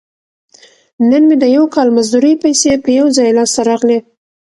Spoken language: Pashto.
نن مې د یو کال مزدورۍ پیسې په یو ځای لاس ته راغلي.